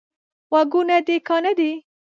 غوږونه دي کاڼه دي؟